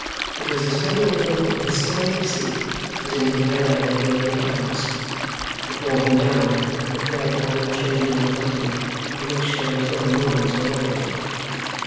It was as heavy on him in his scanty sleep, as in his red eyed waking hours. It bore him down with a dread unchanging monotony, in which there was not a moment's variety.